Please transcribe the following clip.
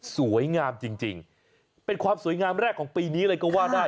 สวยงามจริงเป็นความสวยงามแรกของปีนี้เลยก็ว่าได้